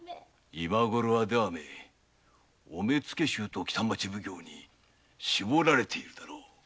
今ごろは出羽めお目付衆と北町奉行に絞られているだろう。